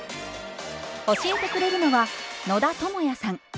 教えてくれるのは野田智也さん。